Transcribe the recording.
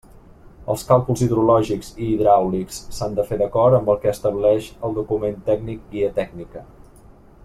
Els càlculs hidrològics i hidràulics s'han de fer d'acord amb el que estableix el document tècnic Guia tècnica.